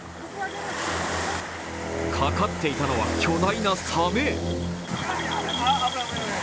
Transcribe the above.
かかっていたのは巨大なさめ。